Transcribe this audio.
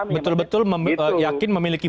betul betul yakin memiliki